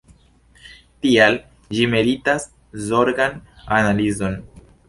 Tial ĝi meritas zorgan analizon.